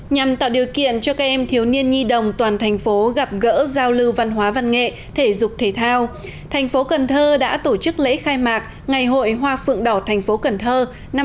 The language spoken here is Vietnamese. nhằm tạo điều kiện cho các em thiếu niên nhi đồng toàn thành phố gặp gỡ giao lưu văn hóa văn nghệ thể dục thể thao thành phố cần thơ đã tổ chức lễ khai mạc ngày hội hoa phượng đỏ thành phố cần thơ năm hai nghìn hai mươi bốn